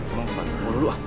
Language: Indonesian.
emang aku mau dulu ah